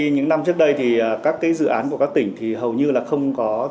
những năm trước đây các dự án của các tỉnh hầu như không có nền